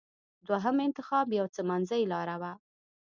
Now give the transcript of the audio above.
دوهم انتخاب یو څه منځۍ لاره وه.